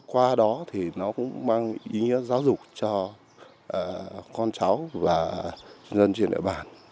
qua đó thì nó cũng mang ý nghĩa giáo dục cho con cháu và nhân dân trên địa bàn